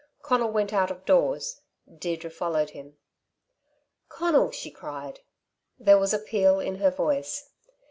Conal went out of doors; Deirdre followed him. "Conal," she cried. There was appeal in her voice.